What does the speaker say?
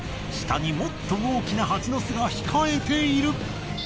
下にもっと大きなハチの巣が控えている。